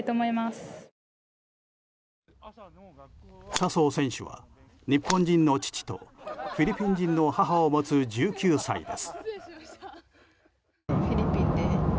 笹生選手は日本人の父とフィリピン人の母を持つ１９歳です。